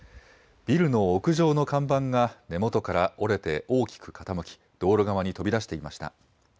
ビルの屋上の看板が、根元から折れて大きく傾き、道路側に飛び出していました。